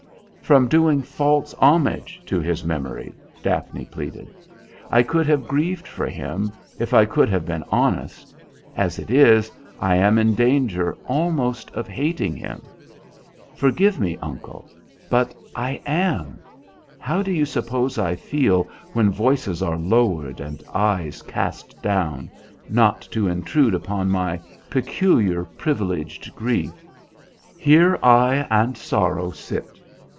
"From doing false homage to his memory," Daphne pleaded. "I could have grieved for him, if I could have been honest; as it is, I am in danger almost of hating him. Forgive me, uncle, but I am! How do you suppose I feel when voices are lowered and eyes cast down, not to intrude upon my 'peculiar, privileged grief? 'Here I and Sorrow sit!'